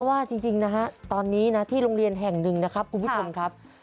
ว่าจริงนะฮะตอนนี้นะที่โรงเรียนแห่งหนึ่งนะครับคุณผู้ชมครับ